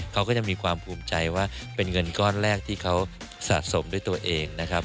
เขาก็จะมีความภูมิใจว่าเป็นเงินก้อนแรกที่เขาสะสมด้วยตัวเองนะครับ